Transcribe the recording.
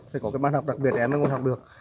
phải có cái bát học đặc biệt em mới ngồi học được